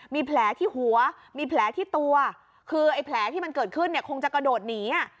มีแผลที่หัวมีแผลที่ตัวคือไอ้แผลที่มันเกิดขึ้นเนี่ยคงจะกระโดดหนี